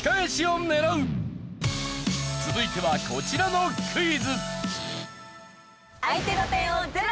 続いてはこちらのクイズ。